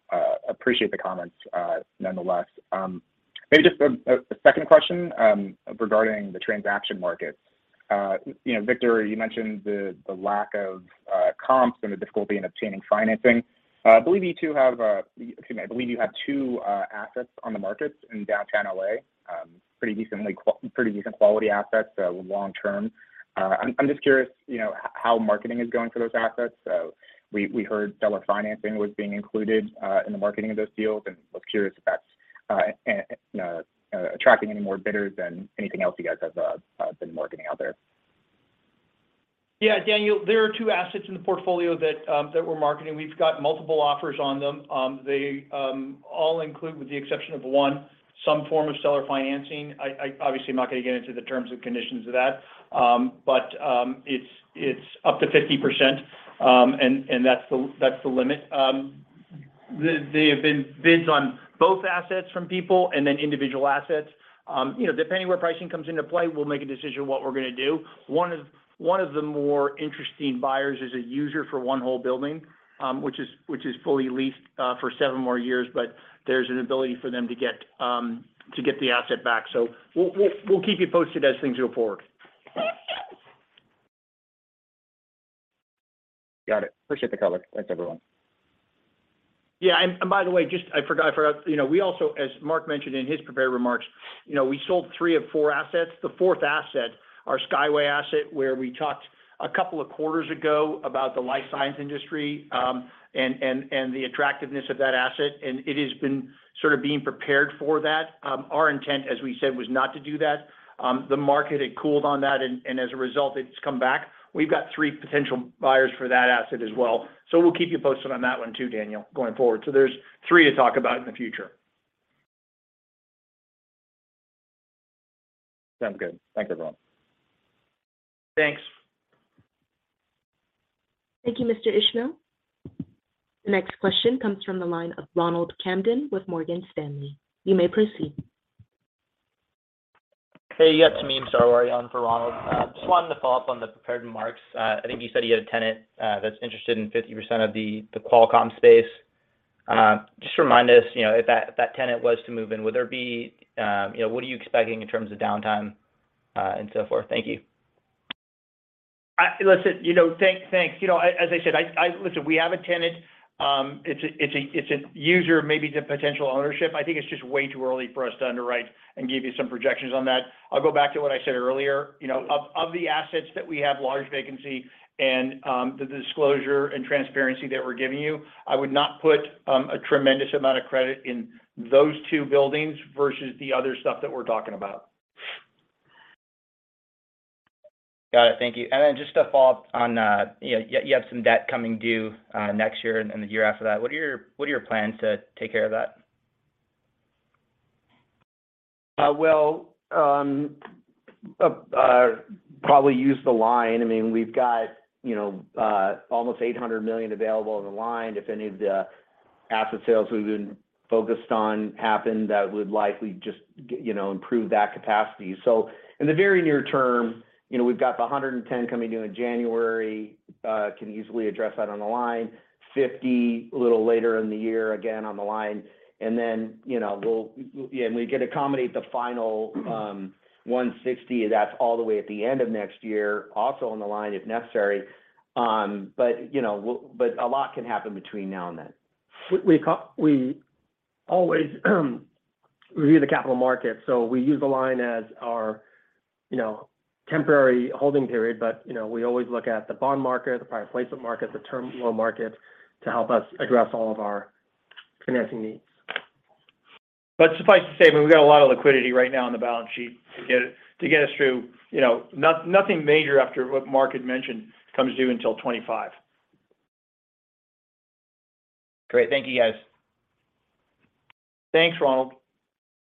appreciate the comments nonetheless. Maybe just a second question regarding the transaction market. You know, Victor, you mentioned the lack of comps and the difficulty in obtaining financing. I believe you have two assets on the market in downtown L.A., pretty decent quality assets, long term. I'm just curious, you know, how marketing is going for those assets. We heard seller financing was being included in the marketing of those deals, and was curious if that's attracting any more bidders than anything else you guys have been marketing out there. Yeah. Daniel, there are two assets in the portfolio that we're marketing. We've got multiple offers on them. They all include, with the exception of one, some form of seller financing. I obviously am not gonna get into the terms and conditions of that. But it's up to 50%, and that's the limit. There have been bids on both assets from people and then individual assets. You know, depending where pricing comes into play, we'll make a decision what we're gonna do. One of the more interesting buyers is a user for one whole building, which is fully leased for seven more years, but there's an ability for them to get the asset back. We'll keep you posted as things go forward. Got it. Appreciate the color. Thanks, everyone. By the way, I forgot. You know, we also, as Mark mentioned in his prepared remarks, you know, we sold three of four assets. The fourth asset, our Skyport asset, where we talked a couple of quarters ago about the life science industry and the attractiveness of that asset, and it has been sort of being prepared for that. Our intent, as we said, was not to do that. The market had cooled on that and as a result, it's come back. We've got three potential buyers for that asset as well. We'll keep you posted on that one too, Daniel, going forward. There's three to talk about in the future. Sounds good. Thanks, everyone. Thanks. Thank you, Mr. Ismail. The next question comes from the line of Ronald Kamdem with Morgan Stanley. You may proceed. Hey, you got Tamim Sarwary on for Ronald. Just wanted to follow up on the prepared remarks. I think you said you had a tenant that's interested in 50% of the Qualcomm space. Just remind us, you know, if that tenant was to move in, would there be, you know, what are you expecting in terms of downtime and so forth? Thank you. Listen, you know, thanks. You know, as I said, Listen, we have a tenant. It's a user, maybe it's a potential ownership. I think it's just way too early for us to underwrite and give you some projections on that. I'll go back to what I said earlier. You know, of the assets that we have large vacancy and the disclosure and transparency that we're giving you, I would not put a tremendous amount of credit in those two buildings versus the other stuff that we're talking about. Got it. Thank you. Just to follow up on, you have some debt coming due, next year and the year after that. What are your plans to take care of that? Probably use the line. I mean, we've got, you know, almost $800 million available on the line. If any of the asset sales we've been focused on happen, that would likely just you know, improve that capacity. In the very near term, you know, we've got the $110 coming due in January. Can easily address that on the line. $50 a little later in the year, again, on the line. Then, you know, we can accommodate the final $160, that's all the way at the end of next year, also on the line if necessary. You know, a lot can happen between now and then. We always review the capital markets, so we use the line as our You know, temporary holding period, but, you know, we always look at the bond market, the private placement market, the term loan market to help us address all of our financing needs. Suffice to say, I mean, we've got a lot of liquidity right now on the balance sheet to get us through, you know, nothing major after what Mark had mentioned comes due until 2025. Great. Thank you, guys. Thanks, Ronald.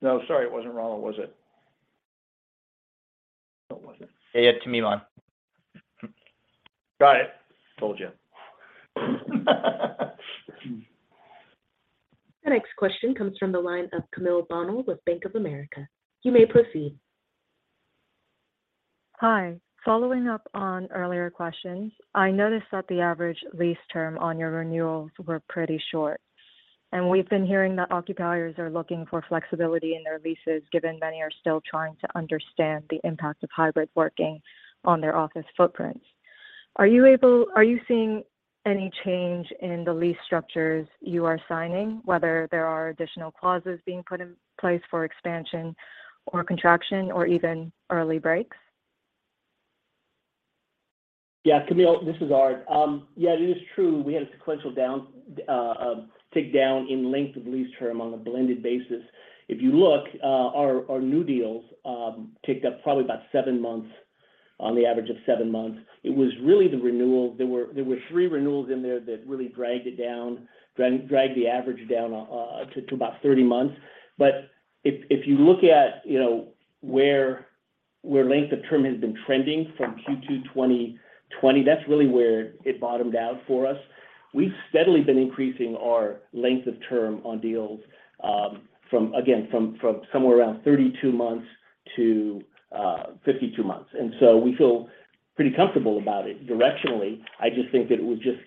No, sorry, it wasn't Ronald, was it? No, it wasn't. Yeah, Tamim. Got it. Told you. The next question comes from the line of Camille Bonnel with Bank of America. You may proceed. Hi. Following up on earlier questions, I noticed that the average lease term on your renewals were pretty short. We've been hearing that occupiers are looking for flexibility in their leases, given many are still trying to understand the impact of hybrid working on their office footprints. Are you seeing any change in the lease structures you are signing, whether there are additional clauses being put in place for expansion or contraction or even early breaks? Yeah, Camille, this is Arthur. It is true, we had a sequential downtick in length of lease term on a blended basis. If you look, our new deals ticked up probably about 7 months on the average of 7 months. It was really the renewals. There were three renewals in there that really dragged it down, dragged the average down to about 30 months. If you look at, you know, where length of term has been trending from Q2 2020, that's really where it bottomed out for us. We've steadily been increasing our length of term on deals from again, from somewhere around 32 months to 52 months. We feel pretty comfortable about it directionally. I just think that it was just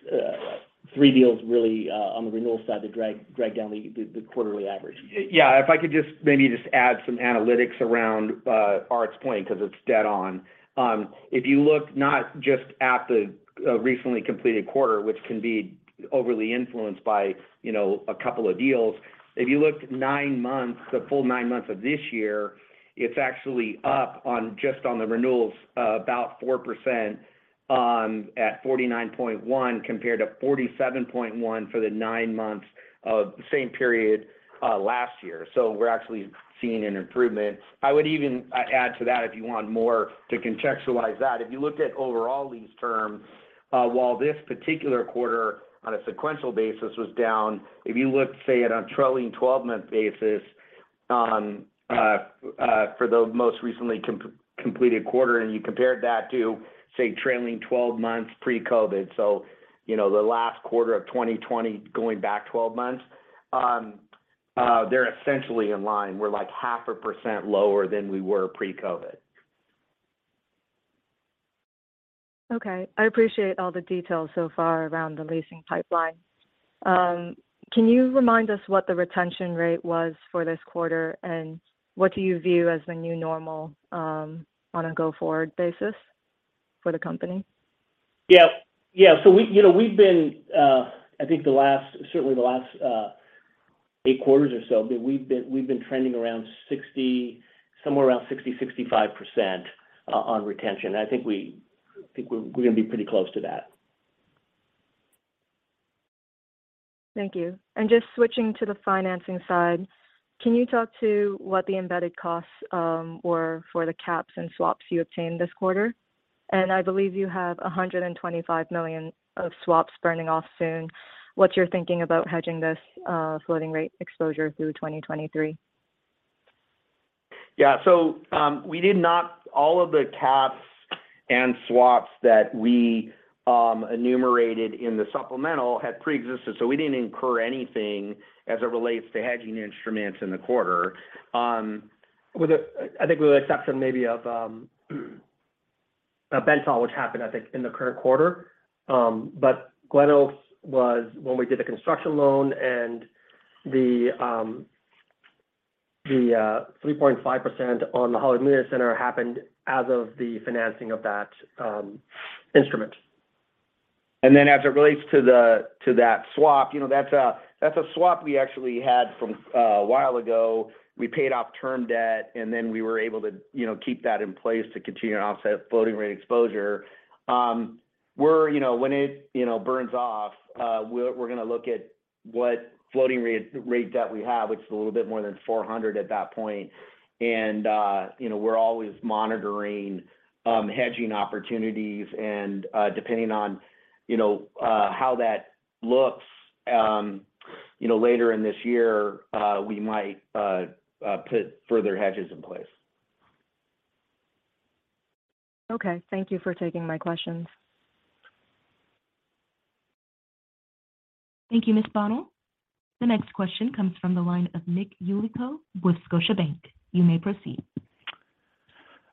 three deals really on the renewal side that dragged down the quarterly average. Yeah, if I could just maybe add some analytics around Arthur point because it's dead on. If you look not just at the recently completed quarter, which can be overly influenced by, you know, a couple of deals. If you looked 9 months, the full 9 months of this year, it's actually up, just on the renewals about 4% at 49.1 compared to 47.1 for the 9 months of the same period last year. We're actually seeing an improvement. I would even add to that if you want more to contextualize that. If you looked at overall lease terms, while this particular quarter on a sequential basis was down, if you looked, say, at a trailing twelve-month basis, for the most recently completed quarter, and you compared that to, say, trailing twelve months pre-COVID, you know, the last quarter of 2020 going back twelve months, they're essentially in line. We're like 0.5% lower than we were pre-COVID. Okay. I appreciate all the details so far around the leasing pipeline. Can you remind us what the retention rate was for this quarter, and what do you view as the new normal, on a go-forward basis for the company? Yeah. We, you know, we've been, I think certainly the last 8 quarters or so, but we've been trending around 60, somewhere around 60, 65% on retention. I think we're gonna be pretty close to that. Thank you. Just switching to the financing side, can you talk to what the embedded costs were for the caps and swaps you obtained this quarter? I believe you have $125 million of swaps burning off soon. What's your thinking about hedging this floating rate exposure through 2023? All of the caps and swaps that we enumerated in the supplemental had preexisted, so we didn't incur anything as it relates to hedging instruments in the quarter. I think with the exception maybe of BentallGreenOak, which happened, I think, in the current quarter. Sunset Glenoaks was when we did the construction loan and the 3.5% on the Hollywood Media Center happened as of the financing of that instrument. As it relates to that swap, you know, that's a swap we actually had from a while ago. We paid off term debt, and then we were able to, you know, keep that in place to continue to offset floating rate exposure. You know, when it burns off, we're gonna look at what floating rate debt we have, which is a little bit more than $400 at that point. You know, we're always monitoring hedging opportunities and, depending on, you know, how that looks, you know, later in this year, we might put further hedges in place. Okay. Thank you for taking my questions. Thank you, Ms. Bonnel. The next question comes from the line of Nicholas Yulico with Scotiabank. You may proceed.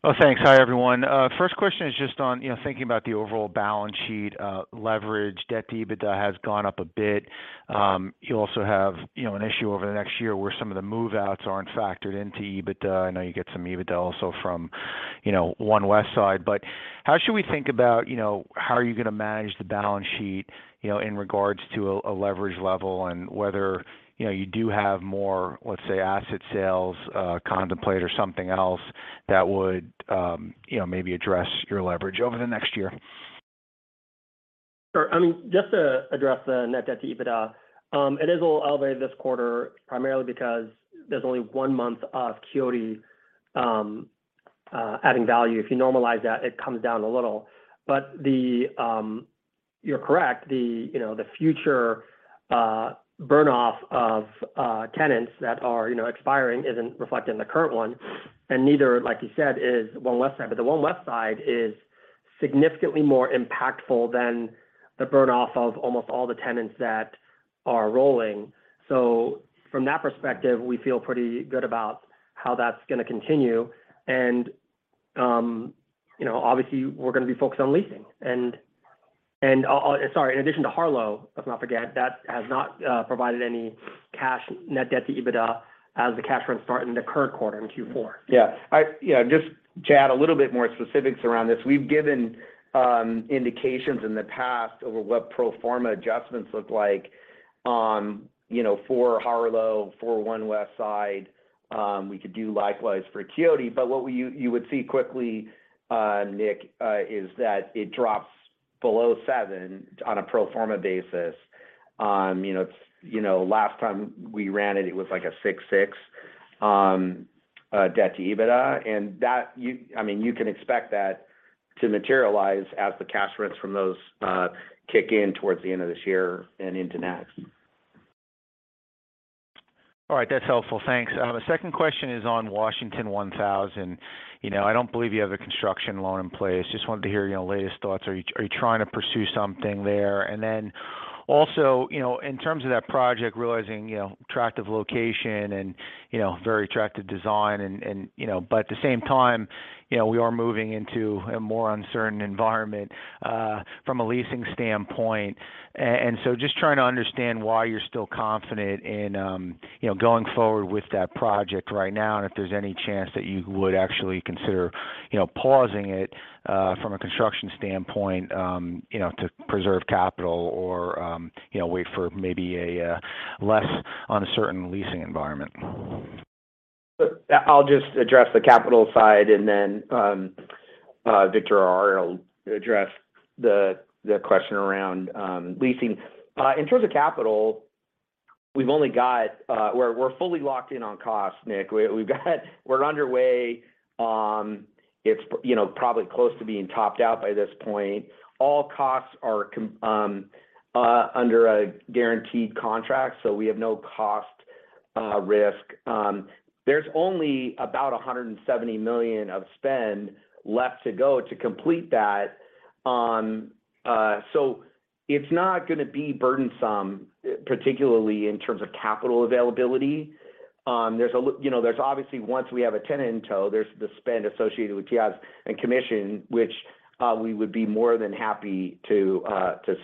Oh, thanks. Hi, everyone. First question is just on, you know, thinking about the overall balance sheet, leverage, debt to EBITDA has gone up a bit. You also have, you know, an issue over the next year where some of the move-outs aren't factored into EBITDA. I know you get some EBITDA also from, you know, One Westside. But how should we think about, you know, how are you gonna manage the balance sheet, you know, in regards to a leverage level and whether, you know, you do have more, let's say, asset sales, contemplate or something else that would, you know, maybe address your leverage over the next year? Sure. I mean, just to address the net debt to EBITDA. It is a little elevated this quarter primarily because there's only one month of Quixote adding value. If you normalize that, it comes down a little. You're correct, the future burn off of tenants that are expiring isn't reflected in the current one, and neither, like you said, is One Westside. The One Westside is significantly more impactful than the burn off of almost all the tenants that are rolling. From that perspective, we feel pretty good about how that's gonna continue. You know, obviously we're gonna be focused on leasing. Sorry, in addition to Harlow, let's not forget that has not provided any cash net debt to EBITDA as the cash rents start in the current quarter in Q4. Yeah. Just to add a little bit more specifics around this. We've given indications in the past over what pro forma adjustments look like on, you know, for Harlow, for One Westside. We could do likewise for Quixote. But what you would see quickly, Nick, is that it drops below 7 on a pro forma basis. You know, last time we ran it was like a 6.6, debt to EBITDA. I mean, you can expect that to materialize as the cash rents from those kick in towards the end of this year and into next. All right. That's helpful. Thanks. The second question is on Washington One Thousand. You know, I don't believe you have a construction loan in place. Just wanted to hear, you know, latest thoughts. Are you trying to pursue something there? Then also, you know, in terms of that project, realizing, you know, attractive location and, you know, very attractive design and, you know. At the same time, you know, we are moving into a more uncertain environment from a leasing standpoint. So just trying to understand why you're still confident in, you know, going forward with that project right now, and if there's any chance that you would actually consider, you know, pausing it from a construction standpoint, you know, to preserve capital or, you know, wait for maybe a less uncertain leasing environment. I'll just address the capital side and then Victor or Arthur will address the question around leasing. In terms of capital, we're fully locked in on cost, Nick. We're underway. It's you know, probably close to being topped out by this point. All costs are under a guaranteed contract, so we have no cost risk. There's only about $170 million of spend left to go to complete that. It's not gonna be burdensome, particularly in terms of capital availability. You know, there's obviously, once we have a tenant in tow, there's the spend associated with TIs and commission, which we would be more than happy to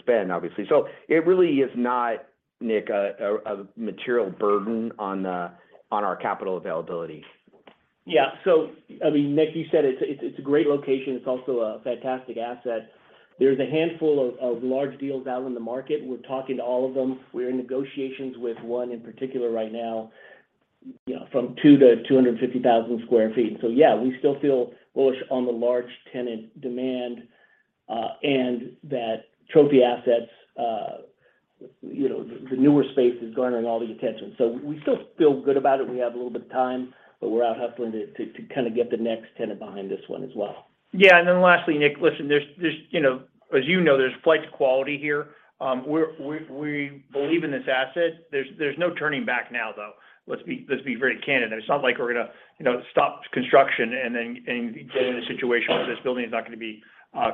spend, obviously. It really is not, Nick, a material burden on our capital availability. Yeah, I mean, Nick, you said it's a great location. It's also a fantastic asset. There's a handful of large deals out in the market. We're talking to all of them. We're in negotiations with one in particular right now, you know, from 2-250,000 sq ft. Yeah, we still feel bullish on the large tenant demand and the trophy assets, you know, the newer space is garnering all the attention. We still feel good about it. We have a little bit of time, but we're out hustling to kinda get the next tenant behind this one as well. Yeah. Lastly, Nick, listen, there's, you know. As you know, there's flight to quality here. We believe in this asset. There's no turning back now, though. Let's be very candid. It's not like we're gonna, you know, stop construction and get in a situation where this building is not gonna be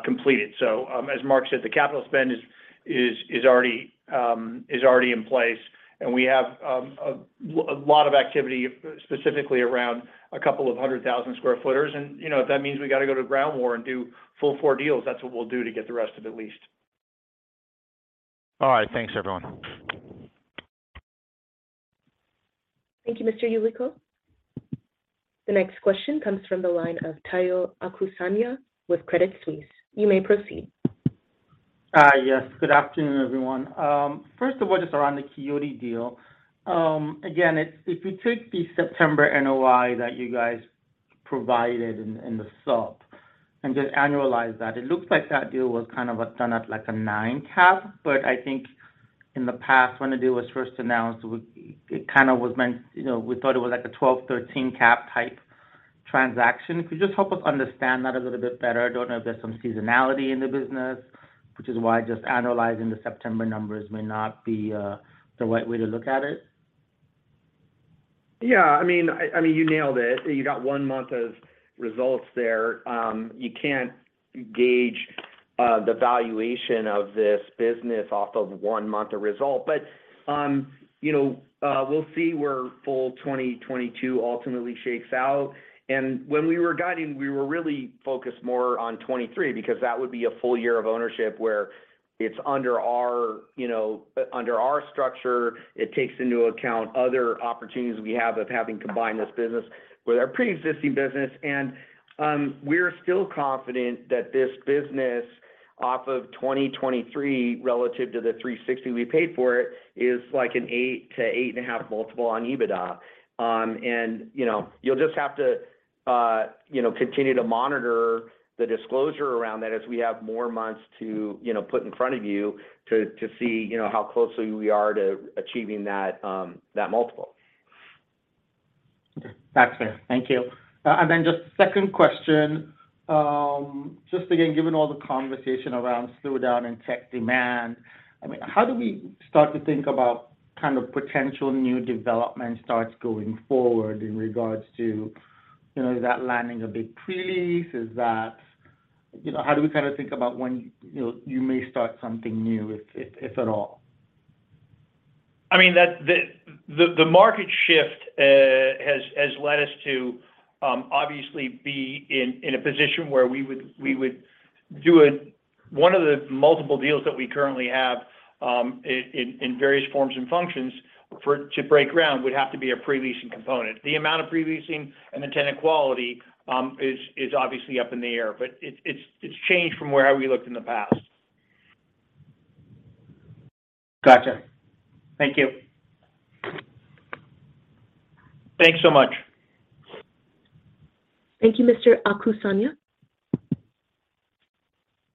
completed. As Mark said, the capital spend is already in place. We have a lot of activity specifically around 200,000 square footers. You know, if that means we gotta go to ground war and do full-floor deals, that's what we'll do to get the rest of it leased. All right. Thanks, everyone. Thank you, Mr. Yulico. The next question comes from the line of Omotayo Okusanya with Credit Suisse. You may proceed. Hi. Yes, good afternoon, everyone. First of all, just around the Quixote deal. Again, if you took the September NOI that you guys provided in the supp and just annualize that, it looks like that deal was kind of done at like a 9% cap. I think in the past when the deal was first announced, it kinda was meant, you know, we thought it was like a 12%-13% cap type transaction. Could you just help us understand that a little bit better? I don't know if there's some seasonality in the business, which is why just analyzing the September numbers may not be the right way to look at it. Yeah, I mean, you nailed it. You got 1 month of results there. You can't gauge the valuation of this business off of 1 month of results. We'll see where full 2022 ultimately shakes out. When we were guiding, we were really focused more on 2023 because that would be a full year of ownership where it's under our, you know, under our structure. It takes into account other opportunities we have of having combined this business with our preexisting business. We're still confident that this business off of 2023 relative to the $360 we paid for it, is like an 8-8.5x multiple on EBITDA. You know, you'll just have to continue to monitor the disclosure around that as we have more months to put in front of you to see how closely we are to achieving that multiple. Gotcha. Thank you. Just second question. Just again, given all the conversation around slowdown in tech demand, I mean, how do we start to think about kind of potential new development starts going forward in regards to, you know, is that landing a big pre-lease? Is that. You know, how do we kind of think about when, you know, you may start something new if at all? I mean, the market shift has led us to obviously be in a position where we would do it. One of the multiple deals that we currently have in various forms and functions to break ground would have to be a pre-leasing component. The amount of pre-leasing and the tenant quality is obviously up in the air. It's changed from how we looked in the past. Gotcha. Thank you. Thanks so much. Thank you, Mr. Okusanya.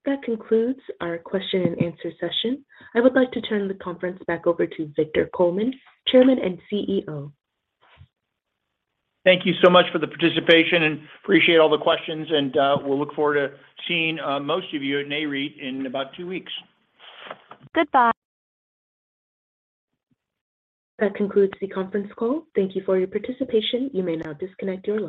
That concludes our question and answer session. I would like to turn the conference back over to Victor Coleman, Chairman and CEO. Thank you so much for the participation, and appreciate all the questions, and we'll look forward to seeing most of you at Nareit in about two weeks. Goodbye. That concludes the conference call. Thank you for your participation. You may now disconnect your line.